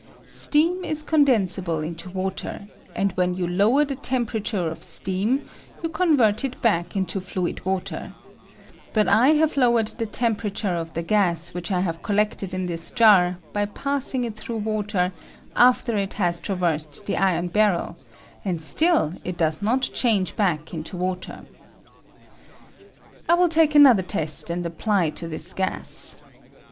Steam is condensible into water, and when you lower the temperature of steam you convert it back into fluid water ; but I have lowered the tem perature of the gas which I have collected in this jar by passing it through water after it has traversed the iron barrel, and still it does not change back into water. I will take an other test and apply to this gas.